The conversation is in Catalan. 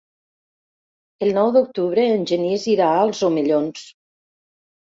El nou d'octubre en Genís irà als Omellons.